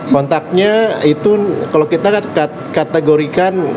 kontaknya itu kalau kita kategorikan